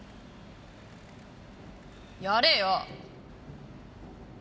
やれよ！